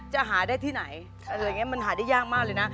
จะหาได้ที่ไหนอะไรอย่างนี้มันหาได้ยากมากเลยนะ